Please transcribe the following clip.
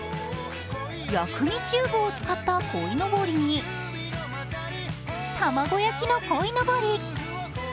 薬味チューブを使ったこいのぼりに卵焼きのこいのぼり。